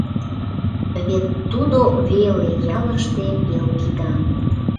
Вет тудо веле ялыште пел кидан.